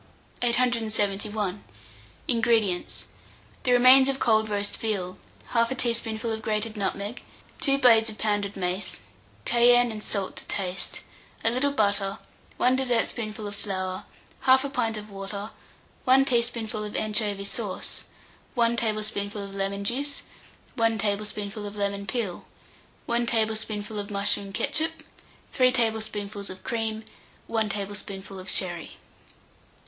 871. INGREDIENTS. The remains of cold roast veal, 1/2 teaspoonful of grated nutmeg, 2 blades of pounded mace, cayenne and salt to taste, a little butter, 1 dessertspoonful of flour, 1/4 pint of water, 1 teaspoonful of anchovy sauce, 1 tablespoonful of lemon juice, 1 teaspoonful of lemon peel, 1 tablespoonful of mushroom ketchup, 3 tablespoonfuls of cream, 1 tablespoonful of sherry.